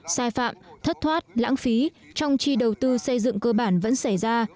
sai phạm thất thoát lãng phí trong chi đầu tư xây dựng cơ bản vẫn xảy ra